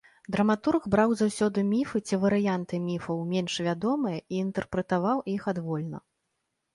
Драматург браў заўсёды міфы ці варыянты міфаў, менш вядомыя, і інтэрпрэтаваў іх адвольна.